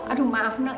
aduh maaf nak